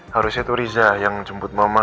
harusnya itu riza yang jemput mama